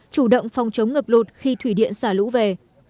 chủ động phòng chống ngập lụt khi thủy điện xả lũ về